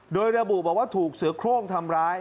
โดยระบุบอกว่าถูกเสือโครงทำร้าย